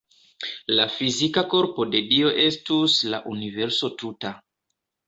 La fizika korpo de Dio estus la universo tuta.